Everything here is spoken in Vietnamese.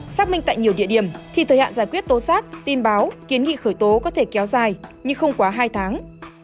xác minh tại nhiều địa điểm thì thời hạn giải quyết tố giác tin báo kiến nghị khởi tố có thể kéo dài nhưng không quá hai tháng